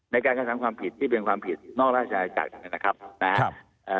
ในการกระทำความผิดที่เป็นความผิดนอกราชอาจักรนะครับนะฮะเอ่อ